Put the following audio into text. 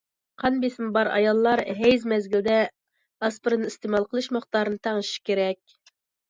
قان بېسىمى بار ئاياللار ھەيز مەزگىلىدە ئاسپىرىننى ئىستېمال قىلىش مىقدارىنى تەڭشىشى كېرەك.